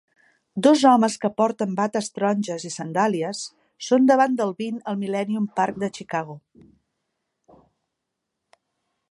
Dos homes que porten bates taronges i sandàlies són davant del Bean al Millenium Park de Chicago